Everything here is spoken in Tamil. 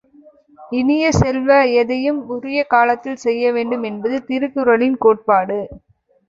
இனிய செல்வ, எதையும் உரிய காலத்தில் செய்யவேண்டும் என்பது திருக்குறளின் கோட்பாடு.